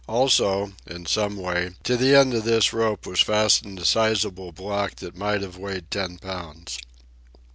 Also, in some way, to the end of this rope was fastened a sizable block that might have weighed ten pounds.